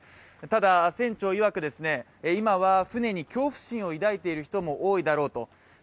ただ船長いわく、今は船に恐怖心を抱いている人が多いだろうと。